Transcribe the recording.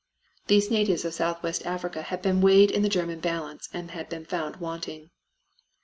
These natives of Southwest Africa had been, weighed in the German balance and had been found wanting.